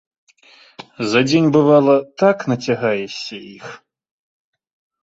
За дзень, бывала, так нацягаешся іх.